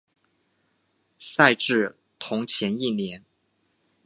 赛制同前一年。